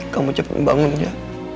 kamu cepet bangun ya